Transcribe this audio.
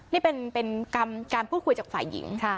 นี่เป็นกรรมการพูดคุยจากฝ่ายหญิง